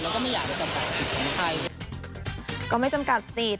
เราก็ไม่อยากได้จำกัดสิทธิ์ของใคร